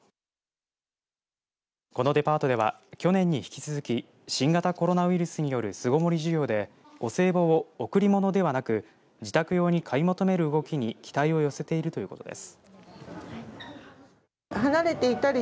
このデパートでは去年に引き続き新型コロナウイルスによる巣ごもり需要でお歳暮を贈り物ではなく自宅用に買い求める動きに期待を寄せているということです。